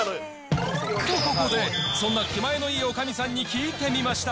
と、ここでそんな気前のいいおかみさんに聞いてみました。